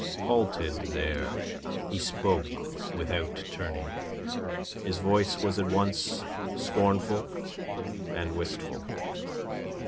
Halted there he spoke, without turning, his voice was at once scornful and wistful.